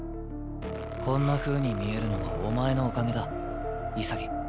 こんなふうに見えるのはお前のおかげだ潔。